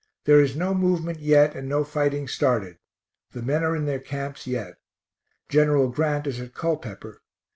There is no movement yet and no fighting started. The men are in their camps yet. Gen. Grant is at Culpepper.